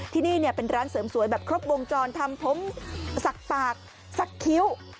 ที่นี่เป็นร้านเสริมสวยแบบครบวงจรทำผมสักปากสักคิ้ว